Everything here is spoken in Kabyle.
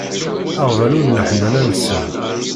Aɣbalu n leḥnana-nsen.